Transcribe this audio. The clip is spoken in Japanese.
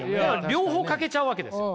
両方欠けちゃうわけですよ。